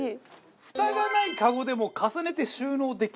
フタがないカゴでも重ねて収納できるパーツ。